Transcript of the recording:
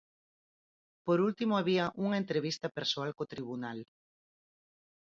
Por último había unha entrevista persoal co tribunal.